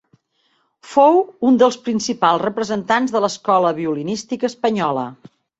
Fou un dels principals representants de l'escola violinística espanyola.